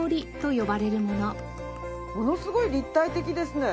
ものすごい立体的ですね。